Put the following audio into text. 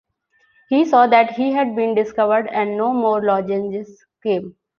He saw that he had been discovered and no more lozenges came.